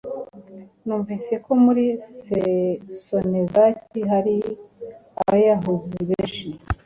Numvise ko muri Sonezaki hari abiyahuzi benshi